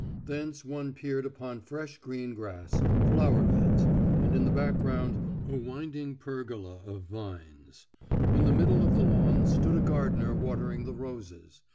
Thence one peered upon fresh green grass, flower beds, and in the background a winding pergola of vines. In the middle of the lawn stood a gardener watering the roses.